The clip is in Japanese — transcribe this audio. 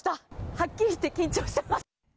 はっきり言って緊張しています！